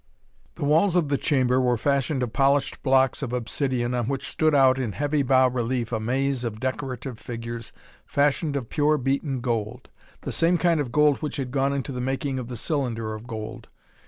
The walls of the chamber were fashioned of polished blocks of obsidion on which stood out in heavy bas relief a maze of decorative figures fashioned of pure, beaten gold the same kind of gold which had gone into the making of the cylinder of gold.